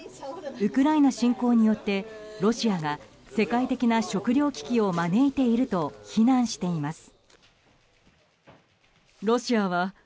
ウクライナ侵攻によってロシアが世界的な食糧危機を招いていると非難しています。